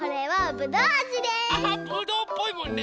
ぶどうっぽいもんね。